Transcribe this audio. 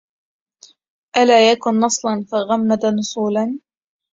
إلا يكن نصلا فغمد نصول